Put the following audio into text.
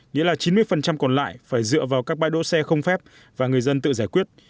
nghĩa là chín mươi còn lại phải dựa vào các bãi đỗ xe không phép và người dân tự giải quyết